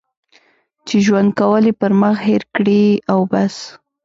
چې ژوند کول یې پر مخ هېر کړي او بس.